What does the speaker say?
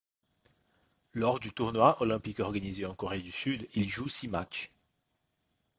Lors du tournoi olympique organisé en Corée du Sud, il joue six matchs.